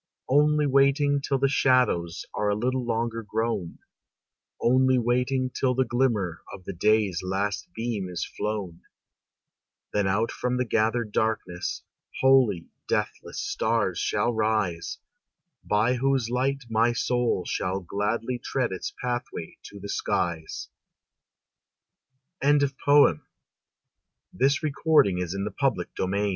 Only waiting till the shadows Are a little longer grown, Only waiting till the glimmer Of the day's last beam is flown. Then from out the gathered darkness, Holy, deathless stars shall rise, By whose light my soul shall gladly Tread its pathway to the skies. FRANCES LAUGHTON MACE. HOPEFULLY WAITING.